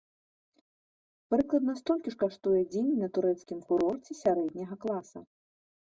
Прыкладна столькі ж каштуе дзень на турэцкім курорце сярэдняга класа.